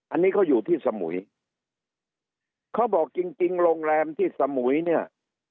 อันนี้เขาอยู่ที่สมุยเขาบอกจริงจริงโรงแรมที่สมุยเนี่ย